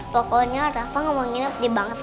pokoknya rasa gak mau nginep di bangsa tiga belas